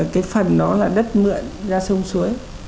cái phần đó là đất mượn ra sông suối